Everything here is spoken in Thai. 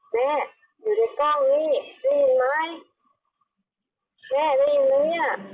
แม่อยู่ในกล้องนี่ได้ยินไหม